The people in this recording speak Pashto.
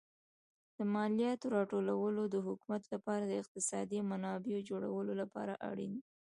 د مالیاتو راټولول د حکومت لپاره د اقتصادي منابعو جوړولو لپاره اړین دي.